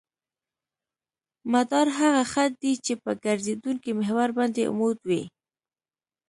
مدار هغه خط دی چې په ګرځېدونکي محور باندې عمود وي